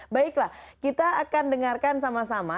baiklah kita akan dengarkan sama sama